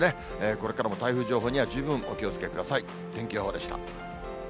これからも台風情報には十分お気をつけください。